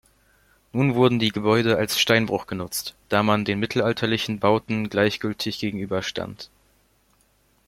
Nun wurden die Gebäude als Steinbruch genutzt, da man den mittelalterlichen Bauten gleichgültig gegenüberstand.